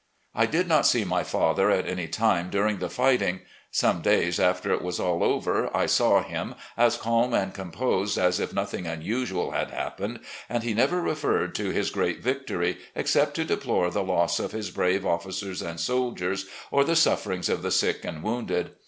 '' I did not see my father at any time dxuing the fighting. Some days after it was all over, I saw him, as calm and composed as if nothing unusual had happened, and he never referred to his great victory, except to deplore the loss of his brave officers and soldiers or the sufferings of the sick and wounded.